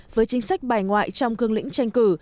với chính sách bài ngoại trong cương lĩnh tranh cử